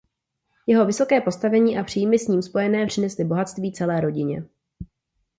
Jeho vysoké postavení a příjmy s ním spojené přinesly bohatství celé rodině.